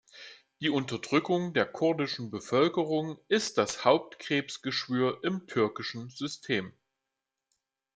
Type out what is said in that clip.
Die Unterdrückung der kurdischen Bevölkerung ist das Hauptkrebsgeschwür im türkischen System.